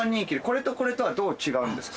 これとこれとはどう違うんですか？